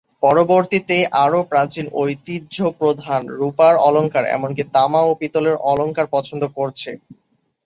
পরিবর্তে আরও প্রাচীন ঐতিহ্যপ্রধান রুপার অলঙ্কার, এমনকি তামা ও পিতলের অলঙ্কার পছন্দ করছে।